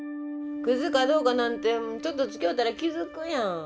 クズかどうかなんてちょっとつきおうたら気付くやん。